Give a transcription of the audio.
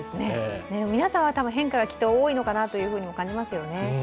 皆さんは変化が多いのかなと感じますよね。